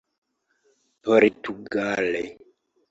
portugale